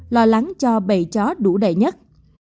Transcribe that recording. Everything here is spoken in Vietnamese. lo lắng cho bầy chó đủ đầy nhất